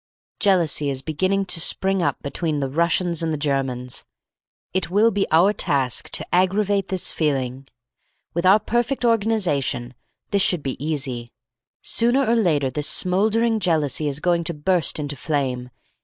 Jealousy is beginning to spring up between the Russians and the Germans. It will be our task to aggravate this feeling. With our perfect organisation this should be easy. Sooner or later this smouldering jealousy is going to burst into flame.